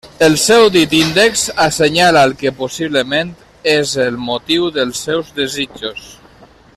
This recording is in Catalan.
El seu dit índex assenyala el que possiblement és el motiu dels seus desitjos.